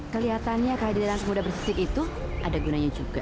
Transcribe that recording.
kelihatannya kehadiran kemudah bersisik itu ada gunanya juga